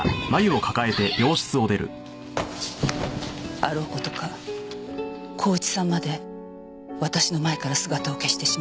あろう事か孝一さんまで私の前から姿を消してしまいました。